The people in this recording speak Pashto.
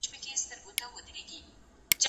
ځواب وليکه؟